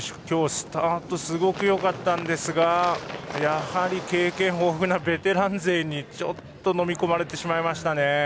今日、スタートよかったんですがやはり経験豊富なベテラン勢にのみ込まれてしまいましたね。